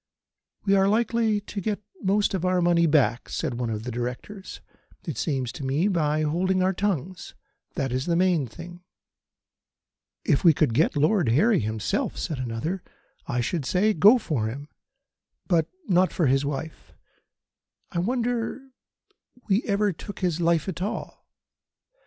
"We are likely to get most of our money back," said one of the Directors, "it seems to me, by holding our tongues. That is the main thing." "If we could get Lord Harry himself," said another, "I should say: Go for him, but not for his wife. I wonder we ever took his life at all.